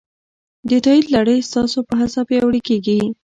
د تایید لړۍ ستاسو په هڅه پیاوړې کېږي.